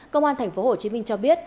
công an thành phố hồ chí minh cho biết